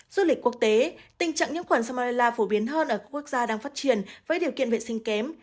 du lịch quốc tế tình trạng nhiễm khuẩn simara phổ biến hơn ở các quốc gia đang phát triển với điều kiện vệ sinh kém